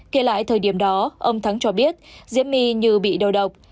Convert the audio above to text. kể lại thời điểm đó ông thắng cho biết diễm my như bị đầu độc